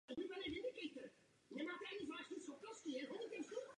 Drápky jsou v barvě zobáku.